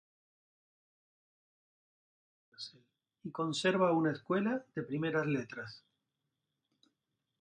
Tuvo una cárcel, y conserva una escuela de primeras letras.